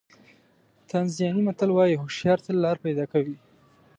تانزانیایي متل وایي هوښیار تل لاره پیدا کوي.